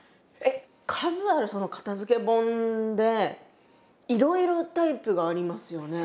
数あるその片づけ本でいろいろタイプがありますよね。